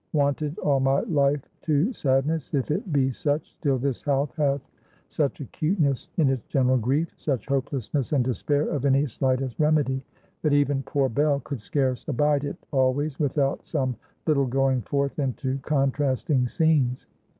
Wonted all my life to sadness if it be such still, this house hath such acuteness in its general grief, such hopelessness and despair of any slightest remedy that even poor Bell could scarce abide it always, without some little going forth into contrasting scenes.